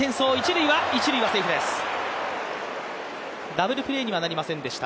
ダブルプレーにはなりませんでした。